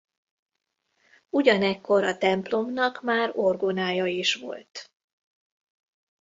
Ugyanekkor a templomnak már orgonája is volt.